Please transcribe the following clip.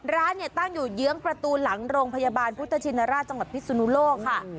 ร้านเนี่ยตั้งอยู่เยื้องประตูหลังโรงพยาบาลพุทธชินราชจังหวัดพิศนุโลกค่ะ